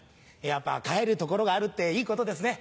やっぱ帰る所があるっていいことですね。